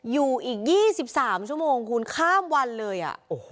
อยู่อีก๒๓ชั่วโมงคุณข้ามวันเลย